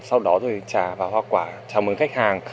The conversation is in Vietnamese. sau đó rồi trả vào hoa quả chào mừng khách hàng